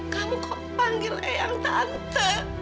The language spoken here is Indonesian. kamu kok panggil eyang tante